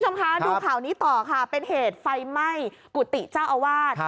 คุณผู้ชมคะดูข่าวนี้ต่อค่ะเป็นเหตุไฟไหม้กุฏิเจ้าอาวาส